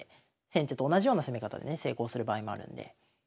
先手と同じような攻め方でね成功する場合もあるんで。